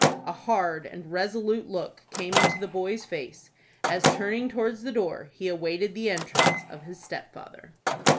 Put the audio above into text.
A hard and resolute look came into the boy's face, as, turning towards the door, he awaited the entrance of his stepfather.